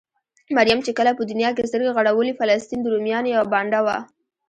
مريم چې کله په دونيا کې سترګې غړولې؛ فلسطين د روميانو يوه بانډه وه.